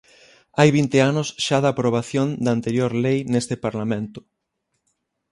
Hai vinte anos xa da aprobación da anterior lei neste Parlamento.